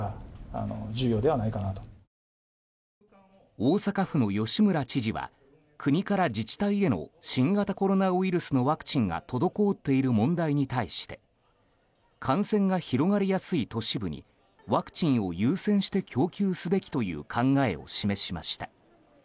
大阪府の吉村知事は国から自治体への新型コロナウイルスのワクチンが滞っている問題に対して感染が広がりやすい都市部にワクチンを優先して供給すべきという考えを示しました。